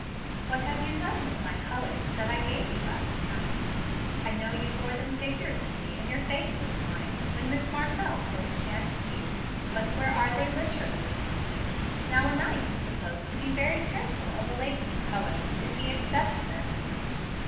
"What have you done with my 'colors,' that I gave you last night? I know you wore them figuratively in your face this morning, when Miss Martell so enchanted you; but where are they, literally? Now a knight is supposed to be very careful of a lady's colors if he accepts them."